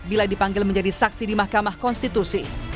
bila dipanggil menjadi saksi di mahkamah konstitusi